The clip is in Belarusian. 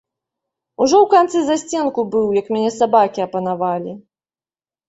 Ужо ў канцы засценку быў, як мяне сабакі апанавалі.